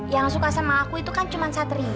yang suka sama aku itu kan cuma satri